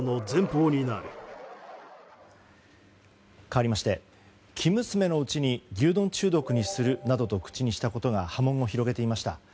かわりまして生娘のうちに牛丼中毒にするなどと口にしたことが波紋を広げていました。